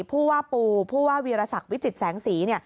ผู้ว่าปูผู้ว่าวีรศักดิ์วิจิตแสงสีเนี่ย